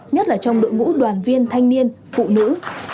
nhất là trong đội ngũ đoàn viên thanh niên phụ nữ